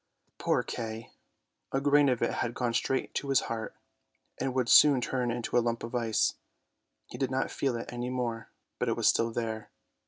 Poor Kay! a grain of it had gone straight to his heart, and would soon turn it to a lump of ice. He did not feel it any more, but it was still there.